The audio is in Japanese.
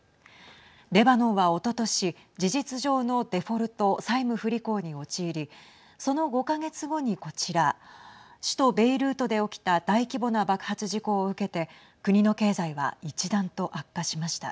レバノンは、おととし事実上のデフォルト、債務不履行に陥りその５か月後に、こちら首都ベイルートで起きた大規模な爆発事故を受けて国の経済は一段と悪化しました。